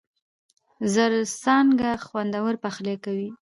زرڅانگه! خوندور پخلی کوي.